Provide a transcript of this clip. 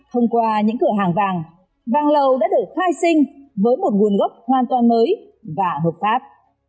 thông qua những cửa hàng vàng vàng lậu đã được khai sinh với một nguồn gốc hoàn toàn mới và hợp pháp